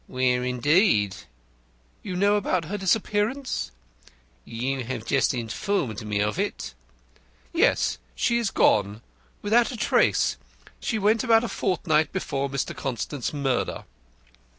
"Where, indeed?" "You know about her disappearance?" "You have just informed me of it." "Yes, she is gone without a trace. She went about a fortnight before Mr. Constant's murder."